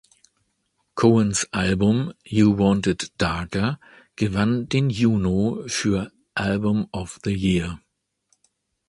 Cohens Album "You Want it Darker" gewann den Juno für Album of the Year.